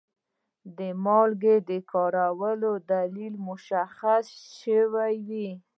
د مالګې د کارولو دلیل مشخص شوی وي.